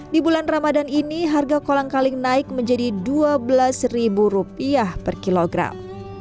di bulan ramadan ini harga kolang kaling naik menjadi rp dua belas per kilogram